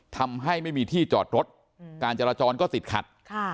ทำให้ไม่มีที่จอดรถการจราจรก็ติดขัด